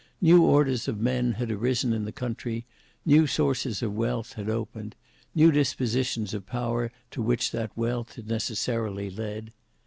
New orders of men had arisen in the country, new sources of wealth had opened, new dispositions of power to which that wealth had necessarily led.